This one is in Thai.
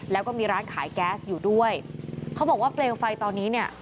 แล้วก็มีร้านขายแก๊สอยู่ด้วยเขาบอกว่าเปลวไฟตอนนี้เนี่ย